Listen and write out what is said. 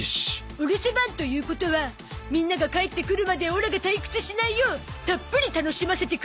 お留守番ということはみんなが帰ってくるまでオラが退屈しないようたっぷり楽しませてくれるというわけだね。